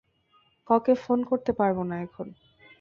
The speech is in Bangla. কাউকে ফোন করতে পারব না এখন।